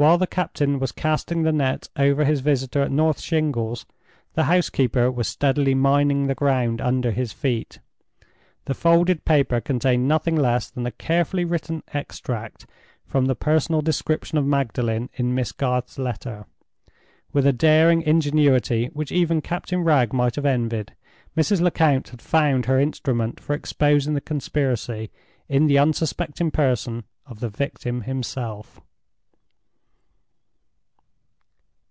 While the captain was casting the net over his visitor at North Shingles, the housekeeper was steadily mining the ground under his feet. The folded paper contained nothing less than a carefully written extract from the personal description of Magdalen in Miss Garth's letter. With a daring ingenuity which even Captain Wragge might have envied, Mrs. Lecount had found her instrument for exposing the conspiracy in the unsuspecting person of the victim himself!